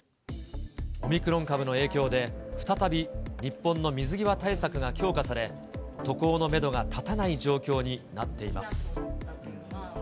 オミクロン株の影響で、再び日本の水際対策が強化され、渡航のメドが立たない状況になっています。